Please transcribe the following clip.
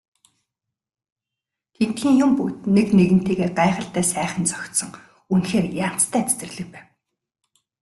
Тэндхийн юм бүгд нэг нэгэнтэйгээ гайхалтай сайхан зохицсон үнэхээр янзтай цэцэрлэг байв.